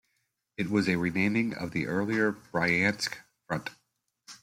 It was a renaming of the earlier Bryansk Front.